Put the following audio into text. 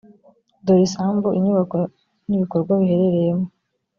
dore isambu inyubako n’ibikorwa biherereyemo